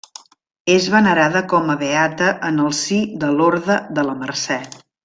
És venerada com a beata en el si de l'Orde de la Mercè.